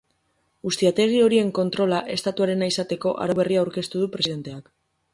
Ustiategi horien kontrola estatuarena izateko arau berria aurkeztu du presidenteak.